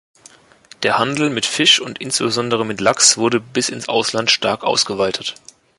Der Handel mit Fisch und insbesondere mit Lachs wurde bis ins Ausland stark ausgeweitet.